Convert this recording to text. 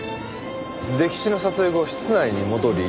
溺死の撮影後室内に戻り